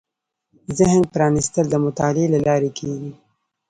ذهن پرانېستل د مطالعې له لارې کېږي